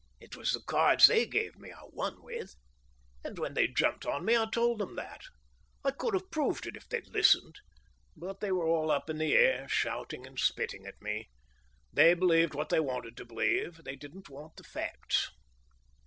It was the cards they gave me I won with. And when they jumped me I told 'em that. I could have proved it if they'd listened. But they were all up in the air, shouting and spitting at me. They believed what they wanted to believe; they didn't want the facts."